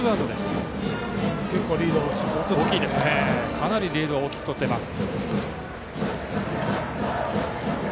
かなりリードを大きく取っています。